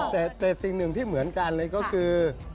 แต่สิ่งหนึ่งที่เหมือนกันเลยก็คือ